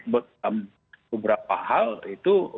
beberapa hal itu